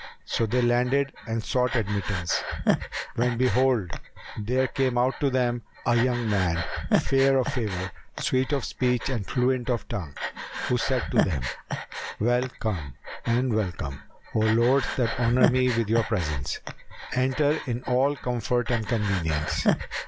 So they landed and sought admittance; when behold, there came out to them a young man, fair of favour, sweet of speech and fluent of tongue, who said to them, "Well come and welcome, O lords that honour me with your presence! Enter in all comfort and convenience!"